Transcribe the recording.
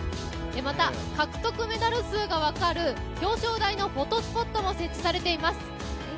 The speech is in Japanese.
また、獲得メダル数が分かる表彰台のフォトスポットも設置されています。